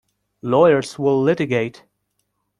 Lawyers will litigate.